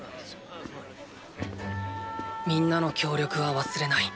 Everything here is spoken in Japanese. みんなの協力は忘れない。